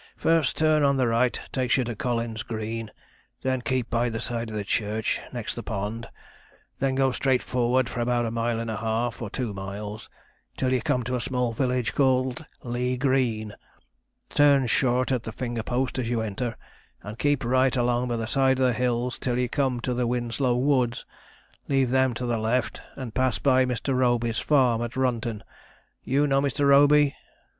First turn on the right takes you to Collins' Green; then keep by the side of the church, next the pond; then go straight forward for about a mile and a half, or two miles, till you come to a small village called Lea Green; turn short at the finger post as you enter, and keep right along by the side of the hills till you come to the Winslow Woods; leave them to the left, and pass by Mr. Roby's farm, at Runton you'll know Mr. Roby?'